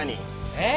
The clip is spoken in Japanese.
えっ？